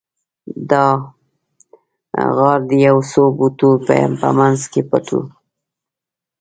دا غار د یو څو بوټو په مینځ کې پټ و